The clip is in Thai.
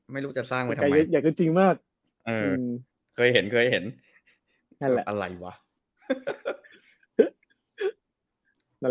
ไม่รู้จะสร้างไว้ทำไม